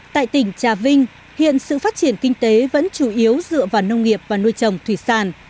tại tỉnh trà vinh hiện sự phát triển kinh tế vẫn chủ yếu dựa vào nông nghiệp và nuôi trồng thủy sản